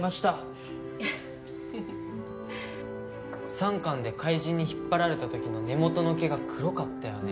３巻で怪人に引っ張られた時の根元の毛が黒かったよね。